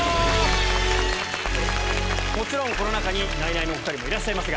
もちろんこの中にナイナイのお２人もいらっしゃいます。